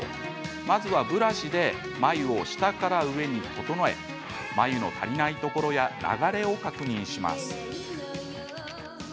まずは、ブラシで眉を下から上に整え眉の足りないところや流れを確認します。